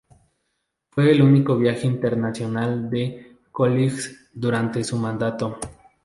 Fue el único viaje internacional de Coolidge durante su mandato.